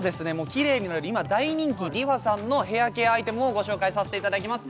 キレイになると今大人気ＲｅＦａさんのヘアケアアイテムをご紹介させていただきます